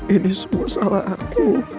ini semua salah aku